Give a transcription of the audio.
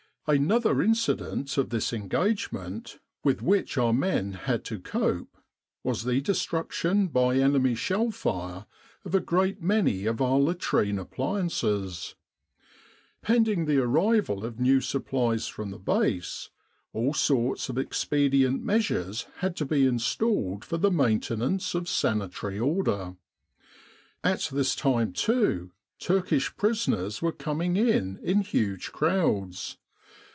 Another incident of this engagement, with which our men had to cope, was the destruction by enemy shell fire of a great many of our latrine appliances. Pending the arrival of new supplies from the Base, all sorts of expedient measures had to be installed for 162 Camp Sanitation the maintenance of sanitary order. At this time, too, Turkish prisoners were coming in in huge crowds.